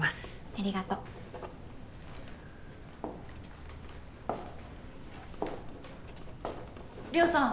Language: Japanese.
ありがとうリョウさん